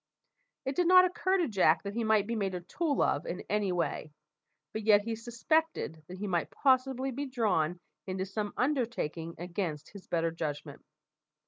It did not occur to Jack that he might be made a tool of in any way, but yet he suspected that he might possibly be drawn into some undertaking against his better judgment.